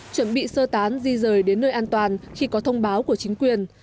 chuẩn bị sơ tán di rời đến nơi an toàn khi có thông báo của chính quyền